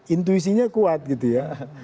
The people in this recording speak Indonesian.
intuisinya kuat gitu ya